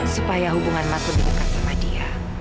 supaya hubungan mas lebih dekat sama dia